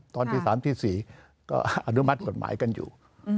ตอนตี๓ตี๔ก็อนุมัติกฎหมายกันอยู่